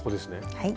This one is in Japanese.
はい。